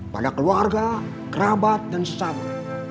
pada keluarga kerabat dan sesama